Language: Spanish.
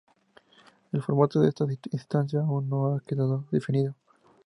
El formato de esta instancia aún no ha quedado definido.